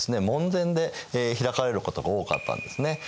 門前で開かれることが多かったんですね。